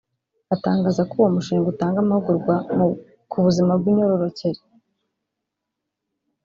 Atangaza ko uwo mushinga utanga amahugurwa ku buzima bw’imyororokere